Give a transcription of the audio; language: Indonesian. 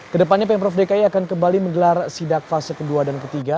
kedepannya pemprov dki akan kembali menggelar sidak fase kedua dan ketiga